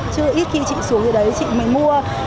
chứ ít khi chị xuống như đấy chị mình mua